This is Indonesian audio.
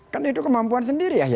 kan itu kemampuan sendiri ya